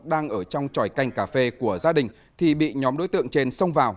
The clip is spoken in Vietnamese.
đang ở trong tròi canh cà phê của gia đình thì bị nhóm đối tượng trên xông vào